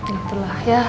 ya itulah ya